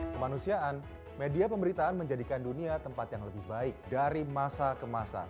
kemanusiaan media pemberitaan menjadikan dunia tempat yang lebih baik dari masa ke masa